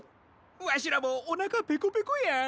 わしらもおなかペコペコや！